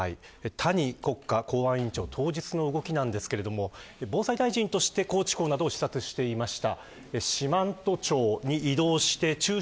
谷国家公安委員長、当日の動きなんですけれども防災大臣として、高知港などを視察していました。